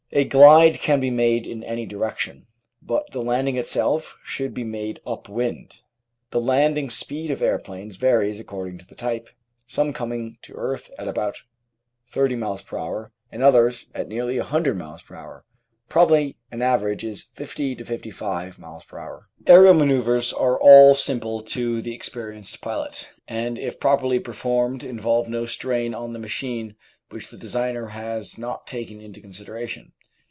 A glide can be made in any direction, but the landing itself should be made "up wind." The landing speed of aeroplanes varies according to the type, some coming to earth at about 30 m.p.h. and others at nearly 100 m.p.h. Probably an average is 50 55 m.p.h. Stunting Aerial manosuvres are all simple to the experienced pilot, and if properly performed involve no strain on the machine which the designer has not taken into consideration.